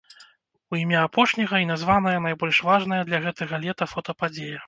У імя апошняга і названая найбольш важная для гэтага лета фотападзея.